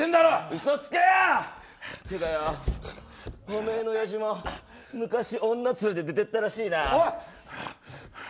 嘘つけよ！っていうかよ、おめえのおやじも昔、女連れて出ていったらしいな。